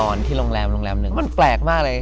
ที่โรงแรมโรงแรมหนึ่งมันแปลกมากเลย